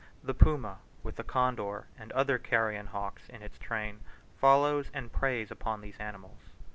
The puma, with the condor and other carrion hawks in its train, follows and preys upon these animals.